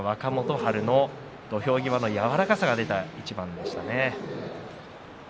春、土俵際の柔らかさが出た一番でしたね。